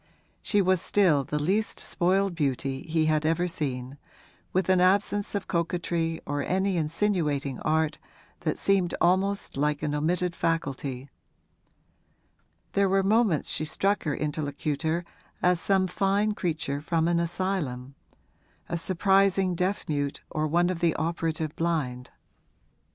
She was still the least spoiled beauty he had ever seen, with an absence of coquetry or any insinuating art that seemed almost like an omitted faculty; there were moments when she struck her interlocutor as some fine creature from an asylum a surprising deaf mute or one of the operative blind.